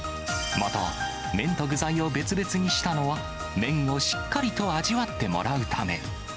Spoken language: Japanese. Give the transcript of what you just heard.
また、麺と具材を別々にしたのは、麺をしっかりと味わってもらうため。